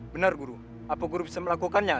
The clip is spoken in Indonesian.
benar guru apa guru bisa melakukannya